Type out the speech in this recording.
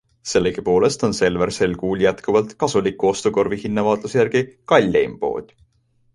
Sellegi poolest on Selver sel kuul jätkuvalt Kasuliku ostukorvi hinnavaatluse järgi kalleim pood.